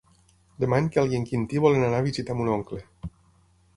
Demà en Quel i en Quintí volen anar a visitar mon oncle.